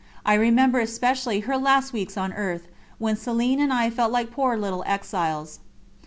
I remember especially her last weeks on earth, when Céline and I felt like poor little exiles.